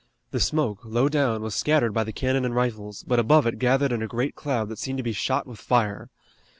The smoke, low down, was scattered by the cannon and rifles, but above it gathered in a great cloud that seemed to be shot with fire.